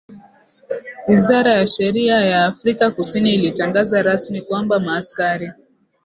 Wizara ya Sheria ya Afrika Kusini ilitangaza rasmi kwamba maaskari